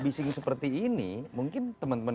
bising seperti ini mungkin teman teman